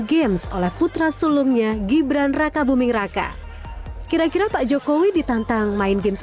games oleh putra sulungnya gibran raka buming raka kira kira pak jokowi ditantang main games